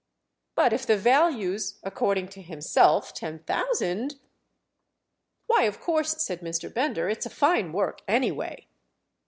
"But if the value's, according to himself, ten thousand——?" "Why, of course," said Mr. Bender, "it's a fine work anyway."